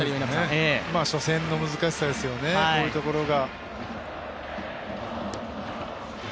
初戦の難しさですよね、こういうところが。